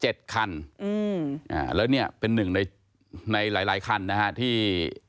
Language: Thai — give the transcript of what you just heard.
คันอืมอ่าแล้วเนี่ยเป็นหนึ่งในในหลายหลายคันนะฮะที่